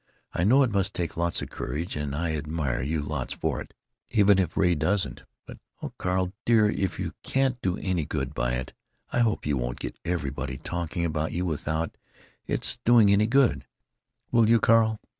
I know it must take lots of courage & I admire you lots for it even if Ray doesn't but oh Carl dear if you can't do any good by it I hope you won't get everybody talking about you without its doing any good, will you, Carl?